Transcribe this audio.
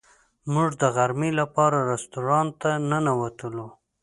موږ د غرمې لپاره رسټورانټ ته ننوتلو.